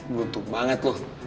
butuh banget loh